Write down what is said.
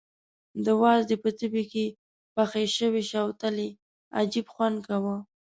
د وازدې په تبي کې پخې شوې شوتلې عجب خوند کاوه.